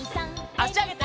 あしあげて。